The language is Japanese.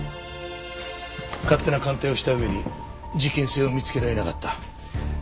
勝手な鑑定をした上に事件性を見つけられなかった。